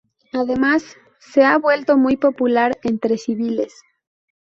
Además, se ha vuelto muy popular entre civiles.